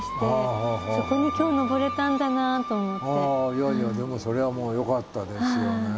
いやいやでもそれはもうよかったですよね。